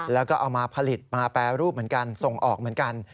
แล้วก็เอามาผลิตมาแปรรูปเหมือนกันส่งออกเหมือนกัน